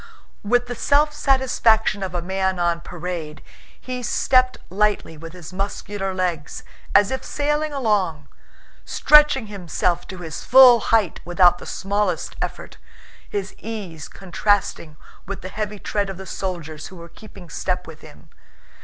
With the self satisfaction of a man on parade, he stepped lightly with his muscular legs as if sailing along, stretching himself to his full height without the smallest effort, his ease contrasting with the heavy tread of the soldiers who were keeping step with him.